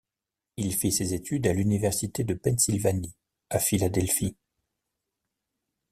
Il fit ses études à l'Université de Pennsylvanie à Philadelphie.